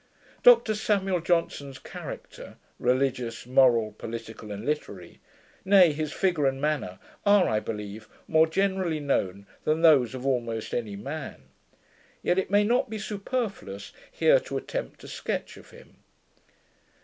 Dr Samuel Johnson's character, religious, moral, political, and literary, nay his figure and manner, are, I believe, more generally known than those of almost any man; yet it may not be superfluous here to attempt a sketch of him.